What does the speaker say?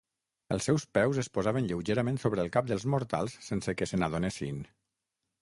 Els seus peus es posaven lleugerament sobre el cap dels mortals sense que se n'adonessin.